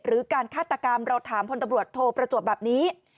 การฆาตกรรมเราถามพลตำรวจโทประจวบแบบนี้